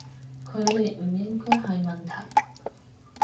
距離唔應該係問題